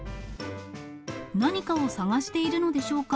何かを探しているのでしょうか。